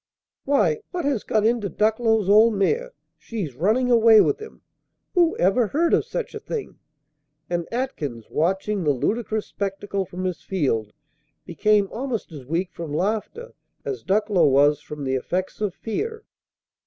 "Why, what has got into Ducklow's old mare? She's running away with him! Who ever heard of such a thing!" And Atkins, watching the ludicrous spectacle from his field, became almost as weak from laughter as Ducklow was from the effects of fear.